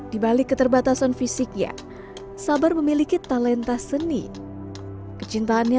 dibalik keterbatasan fisik ya sabar memiliki talenta seni kecintaannya